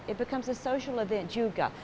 itu juga menjadi acara sosial